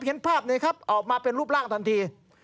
เห็นภาพนี้ครับออกมาเป็นรูปร่างทันที